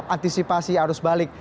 antisipasi arus balik